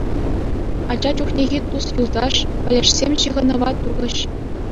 Ача чухнехи тус-юлташ, пӗлӗшсем ҫыхӑнӑва тухӗҫ.